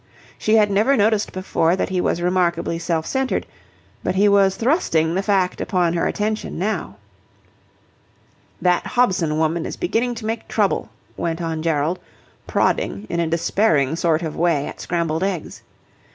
She had never noticed before that he was remarkably self centred, but he was thrusting the fact upon her attention now. "That Hobson woman is beginning to make trouble," went on Gerald, prodding in a despairing sort of way at scrambled eggs.